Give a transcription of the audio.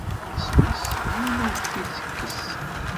Isem-is yiwen ur t-itekkes.